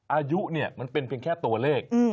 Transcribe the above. อายุเนี่ยมันเป็นเพียงแค่ตัวเลข